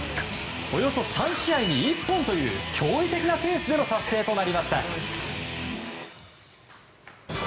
およそ３試合に１本という驚異的なペースでの達成です。